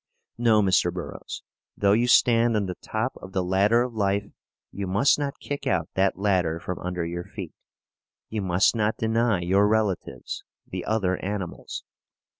No, Mr. Burroughs, though you stand on the top of the ladder of life, you must not kick out that ladder from under your feet. You must not deny your relatives, the other animals.